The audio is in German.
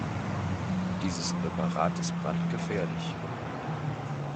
Dieses Präparat ist brandgefährlich.